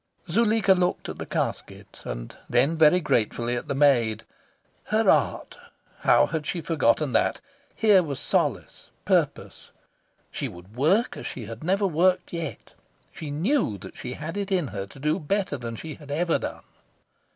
Zuleika looked at the casket, and then very gratefully at the maid. Her art how had she forgotten that? Here was solace, purpose. She would work as she had never worked yet. She KNEW that she had it in her to do better than she had ever done.